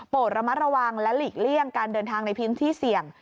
ระมัดระวังและหลีกเลี่ยงการเดินทางในพื้นที่เสี่ยง